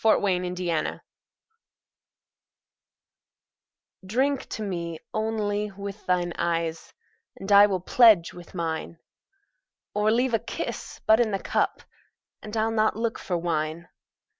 Y Z To Celia DRINK to me, only, with thine eyes, And I will pledge with mine; Or leave a kiss but in the cup, And I'll not look for wine.